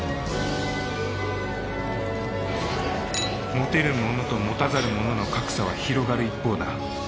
持てる者と持たざる者の格差は広がる一方だ。